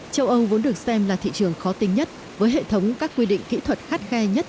châu âu vốn được xem là thị trường khó tinh nhất với hệ thống các quy định kỹ thuật khắt khe nhất